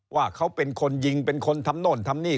ว่าเขาเป็นคนยิงเป็นคนทำโน่นทำนี่